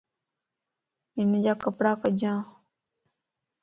ھنجا ڪپڙا ڪنجان